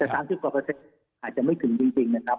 แต่๓๐กว่าเปอร์เซ็นต์อาจจะไม่ถึงจริงนะครับ